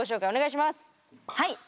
はい。